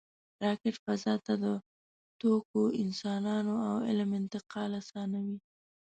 راکټ فضا ته د توکو، انسانانو او علم انتقال آسانوي